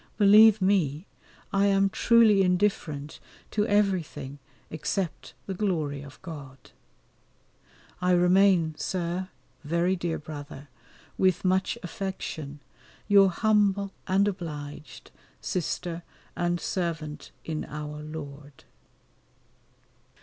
Believe me, I am truly indifferent to everything except the glory of God. I remain, Sir, very dear brother, with much affection, Your humble and obliged Sister and servant in Our Lord.